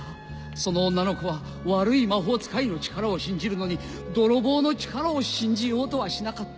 その女の子は悪い魔法使いの力を信じるのに泥棒の力を信じようとはしなかった。